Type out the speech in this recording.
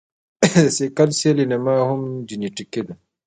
د سیکل سیل انیمیا هم جینیټیکي ده.